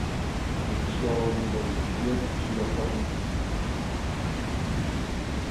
Jest siła wolnej woli, jest siła karności.